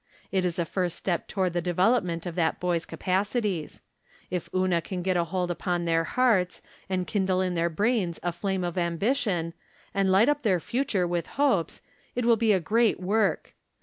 It is a first step toward the development of that boy's capacities. If Una can get a hold upon their hearts, and kindle in their brains a flame of ambition, and light up their future with hopes, it will be a great work.